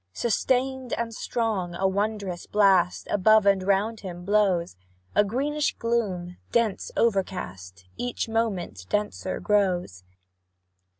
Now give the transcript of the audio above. Sustain'd and strong, a wondrous blast Above and round him blows; A greenish gloom, dense overcast, Each moment denser grows.